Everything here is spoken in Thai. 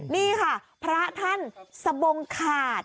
นี่ค่ะพระท่านสบงขาด